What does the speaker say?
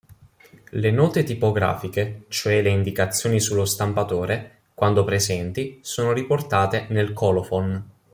Le note tipografiche, cioè le indicazioni sullo stampatore, quando presenti, sono riportate nel "colophon".